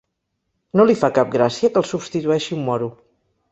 No li fa cap gràcia que el substitueixi un moro.